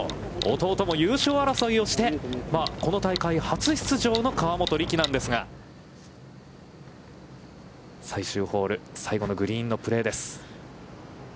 弟も優勝争いをして、この大会初出場の河本力なんですが、最終ホール、最後のグリーンのプレーです。